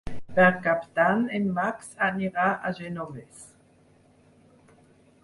Per Cap d'Any en Max anirà al Genovés.